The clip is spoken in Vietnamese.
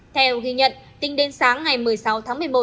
theo ghi nhận tính đến sáng ngày một mươi sáu tháng một mươi một